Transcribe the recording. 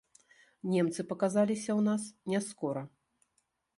Немцы паказаліся ў нас няскора.